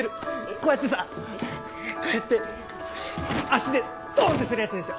こうやって足でドン！ってするやつでしょ。